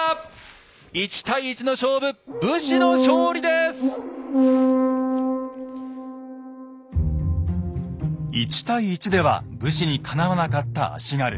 １対１の勝負１対１では武士にかなわなかった足軽。